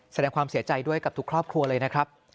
แสดงความเสียใจด้วยกับทุกครอบครัวเลยนะครับ